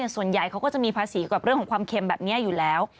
ส่วนใหญ่เขาก็จะมีภาษีกับเรื่องของความเค็มแบบนี้อยู่แล้ว